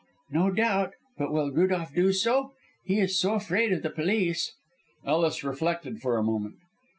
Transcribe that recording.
"No doubt, but will Rudolph do so? He is so afraid of the police." Ellis reflected for a moment.